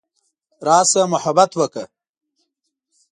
راشه محبت وکړه.